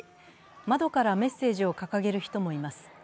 窓からメッセージを掲げる人もいます。